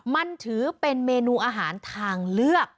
มันถือเป็นเมนูอาหารทางเลือก